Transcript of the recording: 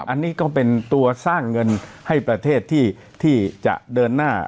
อันนี้ก็เป็นตัวสร้างเงินให้ประเทศที่จะเดินหน้า